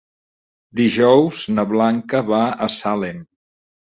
Dijous na Blanca va a Salem.